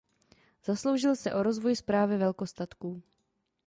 Zasloužil se o rozvoj správy velkostatků.